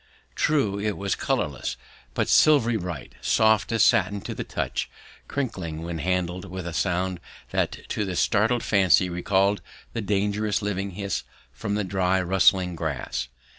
True, it was colourless, but silvery bright, soft as satin to the touch, crinkling when handled with a sound that to the startled fancy recalled the dangerous living hiss from the dry rustling grass!